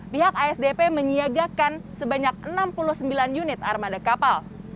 pihak asdp menyiagakan sebanyak enam puluh sembilan unit armada kapal